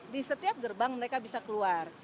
di setiap gerbang mereka bisa keluar